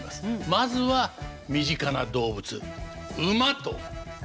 まずは身近な動物馬とねずみ。